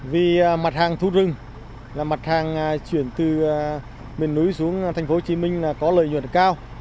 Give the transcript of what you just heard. vì mặt hàng thu rừng là mặt hàng chuyển từ miền núi xuống thành phố hồ chí minh có lợi nhuận cao